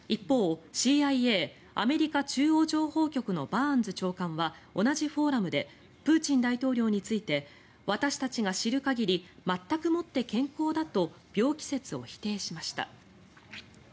一方ＣＩＡ・アメリカ中央情報局のバーンズ長官は同じフォーラムでプーチン大統領について私たちが知る限り全くもって健康だと病気説を否定しました。